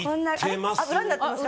裏になってますか？